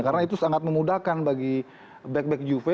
karena itu sangat memudahkan bagi back back juve